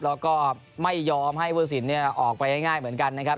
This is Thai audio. แล้วก็ไม่ยอมให้ผู้สินออกไปง่ายเหมือนกันนะครับ